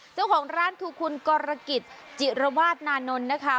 เจ้าของร้านคือคุณกรกิจจิรวาสนานนท์นะคะ